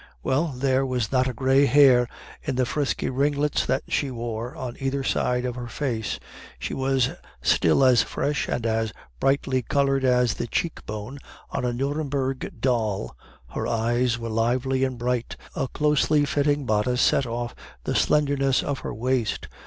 Well there was not a gray hair in the frisky ringlets that she wore on either side of her face; she was still as fresh and as brightly colored on the cheek bone as a Nuremberg doll; her eyes were lively and bright; a closely fitting bodice set off the slenderness of her waist.